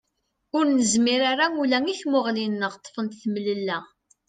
Ur nezmir ara ula i tmuɣli-nneɣ, ṭṭfent temlella.